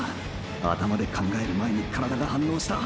頭で考える前に体が反応した！！